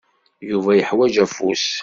Yuba yeḥwaǧ afus.